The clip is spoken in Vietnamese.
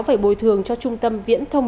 phải bồi thường cho trung tâm viễn thông